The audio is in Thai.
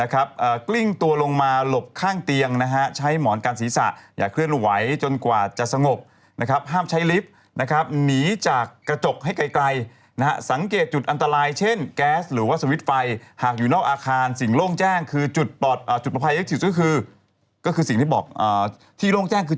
กลิ้งตัวลงมาหลบข้างเตียงนะฮะใช้หมอนการศีรษะอย่าเคลื่อนไหวจนกว่าจะสงบนะครับห้ามใช้ลิฟท์นะครับหนีจากกระจกให้ไกลนะฮะสังเกตจุดอันตรายเช่นแก๊สหรือว่าสวิตเฟย์หากอยู่นอกอาคารสิ่งโล่งแจ้งคือจุดปลอดอ่าจุดปลอดภัยที่สุดก็คือก็คือสิ่งที่บอกอ่าท